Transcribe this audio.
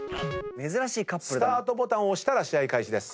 スタートボタンを押したら試合開始です。